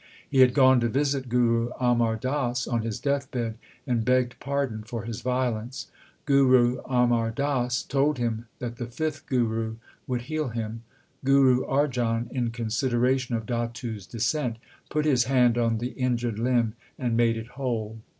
He had gone to visit Guru Amar Das on his deathbed, and begged pardon for his violence. Guru Amar Das told him that the fifth Guru would heal him. Guru Arjan, in consideration of Datu s descent, put his hand on the injured limb and made it whole.